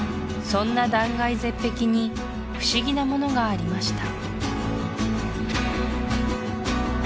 そんな断崖絶壁に不思議なものがありました